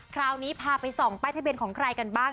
คราวนี้พาไปส่องป้ายทะเบียนของใครกันบ้าง